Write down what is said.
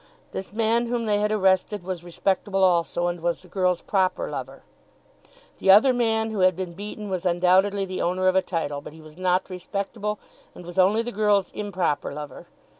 This man whom they had arrested was respectable also, and was the girl's proper lover. The other man who had been beaten was undoubtedly the owner of a title; but he was not respectable, and was only the girl's improper lover.